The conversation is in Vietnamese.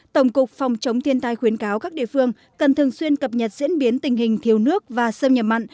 tổng cục phòng chống thiên tai khuyến cáo các địa phương cần thường xuyên cập nhật diễn biến tình hình thiếu nước và xâm nhập mặn